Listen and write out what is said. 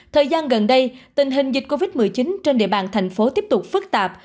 thời gian gần đây tình hình dịch covid một mươi chín trên địa bàn thành phố tiếp tục phức tạp